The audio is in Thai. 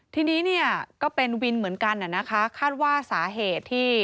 ทีนี้เนี่ยก็เป็นวินเหมือนกันนะคะคาดว่าสาเหตุที่